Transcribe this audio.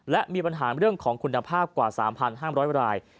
และมีปัญหาเรื่องของคุณภาพกว่า๓๕๐๐ราย